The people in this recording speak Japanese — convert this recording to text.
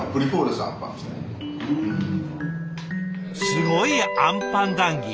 すごいあんぱん談議。